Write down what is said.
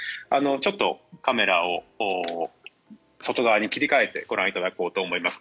ちょっとカメラを外側に切り替えてご覧いただこうと思います。